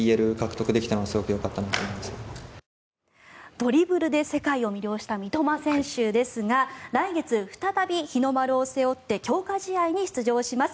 ドリブルで世界を魅了した三笘選手ですが来月、再び日の丸を背負って強化試合に出場します。